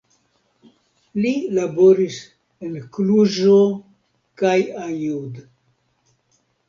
Li laboris en Kluĵo kaj Aiud.